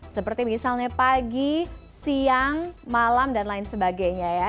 seperti misalnya pagi siang malam dan lain sebagainya ya